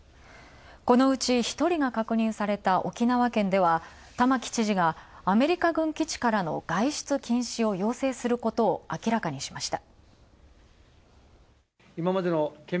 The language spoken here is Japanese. このうち、１人が確認された沖縄県では玉城知事が、アメリカ軍基地からの外出禁止を要請することを明らかにしました。